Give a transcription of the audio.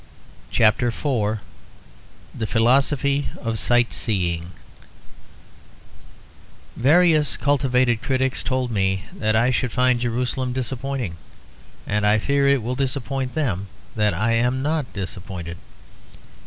CHAPTER IV THE PHILOSOPHY OF SIGHT SEEING Various cultivated critics told me that I should find Jerusalem disappointing; and I fear it will disappoint them that I am not disappointed.